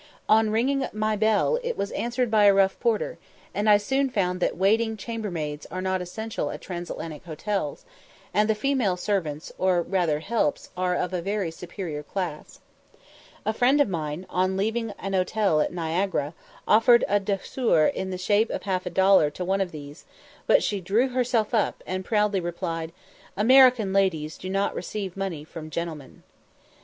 On ringing my bell, it was answered by a rough porter, and I soon found that waiting chambermaids are not essential at Transatlantic hotels; and the female servants, or rather helps, are of a very superior class. A friend of mine, on leaving an hotel at Niagara, offered a douceur in the shape of half a dollar to one of these, but she drew herself up, and proudly replied, "American ladies do not receive money from gentlemen."